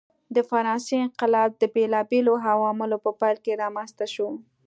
د فرانسې انقلاب د بېلابېلو عواملو په پایله کې رامنځته شو.